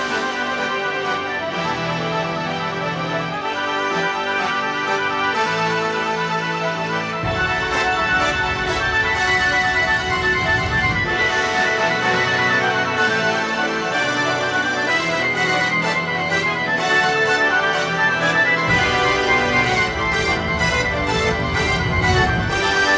สมาธิพร้อมร้องได้ให้ล้านเพลงมาครับ